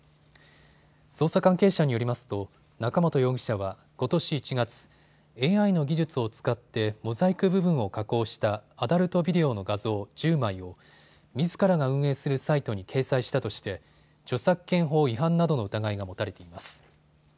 捜査関係者によりますと中本容疑者はことし１月、ＡＩの技術を使ってモザイク部分を加工したアダルトビデオの画像、１０枚をみずからが運営するサイトに掲載したとして著作権法違反などの疑いが持たれています。